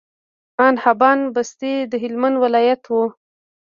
ابن حبان بستي د هلمند ولايت وو